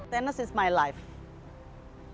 tennis adalah hidup saya